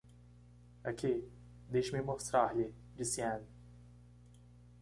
"Aqui, deixe-me mostrar-lhe", disse Ann.